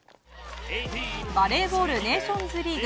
バレーボールネーションズリーグ。